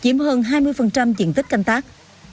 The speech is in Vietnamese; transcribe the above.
chiếm hơn hai mươi chiến tích canh tác